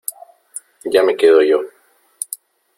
ya me quedo yo .